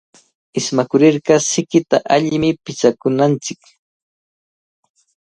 Ismakurirqa sikita allimi pichakunanchik.